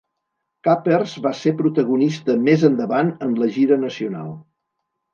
Capers va ser protagonista més endavant en la gira nacional.